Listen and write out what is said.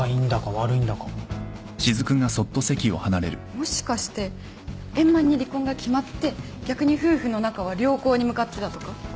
もしかして円満に離婚が決まって逆に夫婦の仲は良好に向かってたとか？